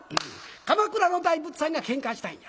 鎌倉の大仏さんがけんかしたんや」。